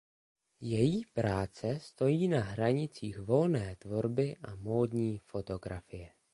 Její práce stojí na hranicích volné tvorby a módní fotografie.